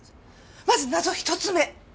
まず謎１つ目。